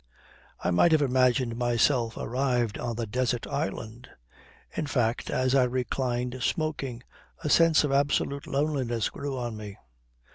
I might have imagined myself arrived on a desert island. In fact, as I reclined smoking a sense of absolute loneliness grew on me.